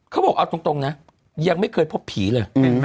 เขาบอกเอาตรงนะยังไม่เคยพบผีเลย